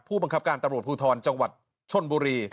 ตำรวจภูทธ์จังหวัดชนบุรี